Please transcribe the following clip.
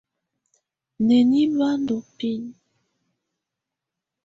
Nǝ́ni bá ndɔ́ binǝ?